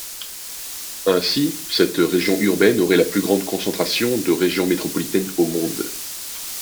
Ainsi, cette région urbaine aurait la plus grande concentration de régions métropolitaines au monde.